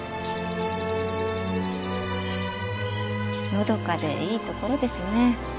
のどかでいいところですね。